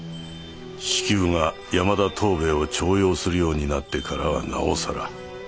式部が山田藤兵衛を重用するようになってからはなおさら。